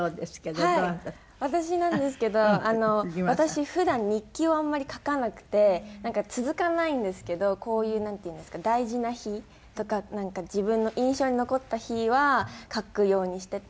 私なんですけど私普段日記をあんまり書かなくて続かないんですけどこういうなんていうんですか大事な日とか自分の印象に残った日は書くようにしてて。